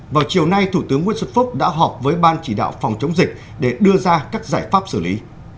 vào chiều nay thủ tướng nguyễn xuân phúc đã họp với ban chỉ đạo phòng chống dịch để đưa ra các giải pháp xử lý